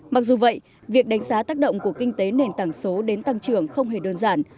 mặc dù vậy việc đánh giá tác động của kinh tế nền tảng số đến tăng trưởng không hề đơn giản